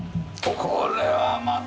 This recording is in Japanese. これはまた。